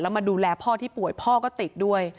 มาดูแลพ่อที่ป่วยพ่อก็ติดด้วย